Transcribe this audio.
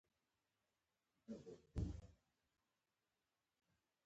بوتل د ښوونځي پروژو لپاره هم اړین دی.